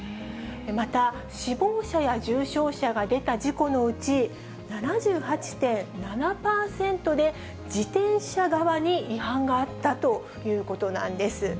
また、死亡者や重傷者が出た事故のうち、７８．７％で自転車側に違反があったということなんです。